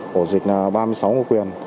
hổ dịch ba mươi sáu ngôi quyền